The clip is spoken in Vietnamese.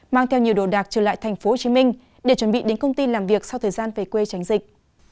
mang theo nhiều đồ đạc trở lại tp hcm để chuẩn bị đến công ty làm việc sau thời gian về quê tránh dịch